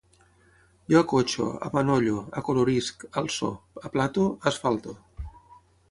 Jo acotxe, amanolle, acolorisc, alce, aplate, asfalte